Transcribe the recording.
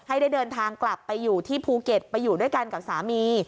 ให้ได้เดินทางกลับไปอยู่ที่ภูเก็ตไปอยู่ด้วยกันกับสามี